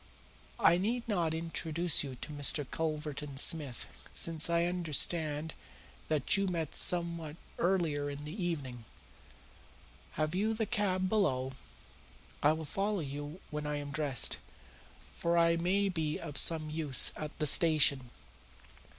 I need not introduce you to Mr. Culverton Smith, since I understand that you met somewhat earlier in the evening. Have you the cab below? I will follow you when I am dressed, for I may be of some use at the station.